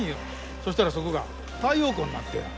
そしたらそこが太陽光になったんや。